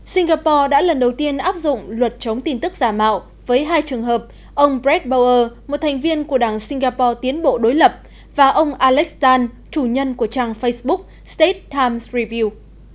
singapore đã lần đầu tiên áp dụng luật chống tin tức giả mạo với hai trường hợp ông brett bauer một thành viên của đảng singapore tiến bộ đối lập và ông alex tan chủ nhân của trang facebook state times review